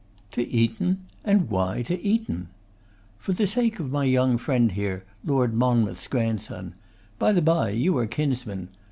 'To Eton! and why to Eton?' 'For the sake of my young friend here, Lord Monmouth's grandson. By the bye, you are kinsmen.